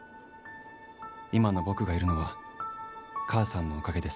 今の僕がいるのは母さんのおかげです。